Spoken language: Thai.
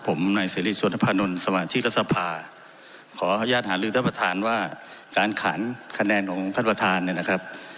ผมสวัสดีครับขออนุญาตหาลืมท่านประธานว่าการขันคะแนนของท่านประธานเนี่ยนะครับ